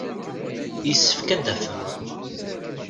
Yessefk ad d-afeɣ.